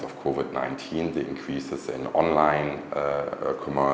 là cộng đồng doanh nghiệp